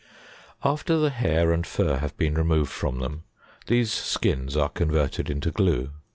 79. After the hair and fur have been removed from them, these skins are converted into glue.